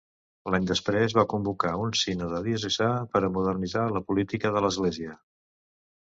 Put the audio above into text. L'any després va convocar un sínode diocesà per a modernitzar la política de l'església.